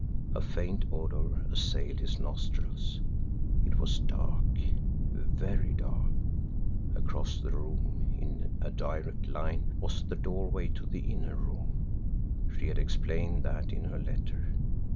A faint odor assailed his nostrils! It was dark, very dark. Across the room, in a direct line, was the doorway of the inner room she had explained that in her letter.